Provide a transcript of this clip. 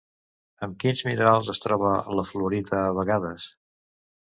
Amb quins minerals es troba la fluorita a vegades?